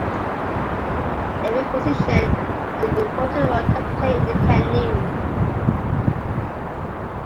Every position has an important role to play in the canoe.